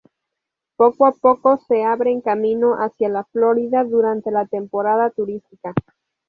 Poco a poco se abren camino hacia la Florida durante la temporada turística.